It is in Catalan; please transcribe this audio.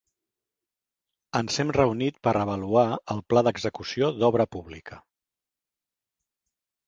Ens hem reunit per avaluar el Pla d'Execució d'Obra Pública.